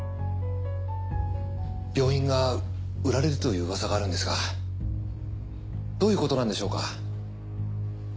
病院が売られるといううわさがあるんですがどういうことなんでしょうか？